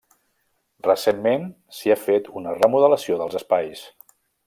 Recentment, s'hi ha fet una remodelació dels espais.